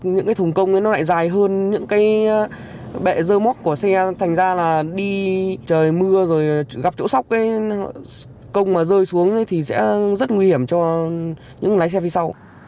những thùng công nó lại dài hơn những bệ dơ móc của xe thành ra đi trời mưa rồi gặp chỗ sóc công mà rơi xuống thì sẽ rất nguy hiểm cho những lái xe phía sau